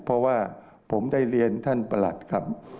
เพราะว่าผมได้เรียนท่านประหลัดครับ